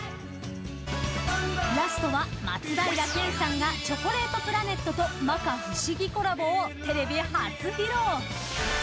ラストは松平健さんがチョコレートプラネットと摩訶不思議コラボをテレビ初披露。